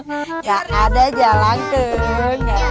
gak ada jaylangkung